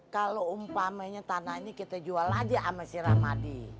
kalo umpamanya tanah ini kita jual aja sama si ramadi